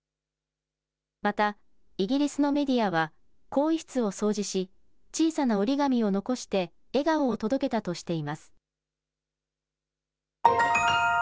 またイギリスのメディアは更衣室を掃除し、小さな折り紙を残して笑顔を届けたとしています。